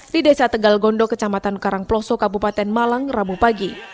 di desa tegal gondo kecamatan karangploso kabupaten malang rabu pagi